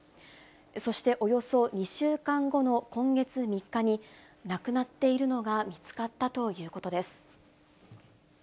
そしておよそ２週間後の今月３日に、亡くなっているのが見つかったということです。